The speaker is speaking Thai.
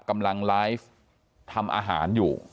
กำลังไลฟ์ทำอาหารอยู่